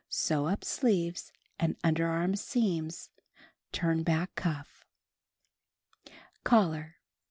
Sew up sleeves and underarm seams, turn back cuff. Collar.